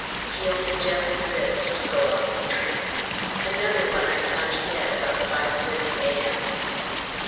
He only just lived to go off the train. Another one I found dead about 5.30 A.M.